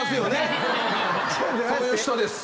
そういう人です。